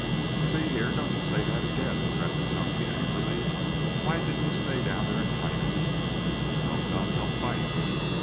"See here, don't you say that again," threatened Chunky angrily. "Why didn't you stay down there and fight him?" "No gun, no fight."